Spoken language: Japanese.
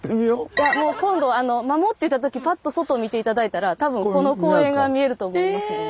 今度「まも」って言ったときパッと外を見て頂いたら多分この公園が見えると思いますので。